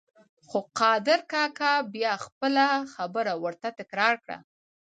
خو قادر کاکا بیا خپله خبره ورته تکرار کړه.